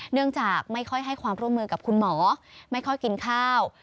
เนื่องจากไม่ค่อยให้ความร่วมมือกับคุณหมอไม่ค่อยกินข้าว